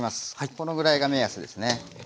このぐらいが目安ですね。